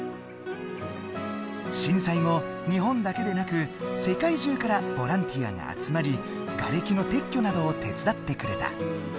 震災後日本だけでなく世界中からボランティアが集まりがれきの撤去などを手伝ってくれた。